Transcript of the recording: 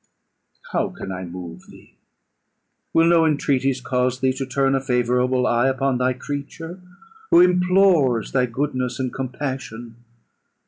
"How can I move thee? Will no entreaties cause thee to turn a favourable eye upon thy creature, who implores thy goodness and compassion?